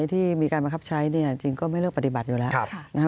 ที่มีการบังคับใช้จริงก็ไม่เลือกปฏิบัติอยู่แล้ว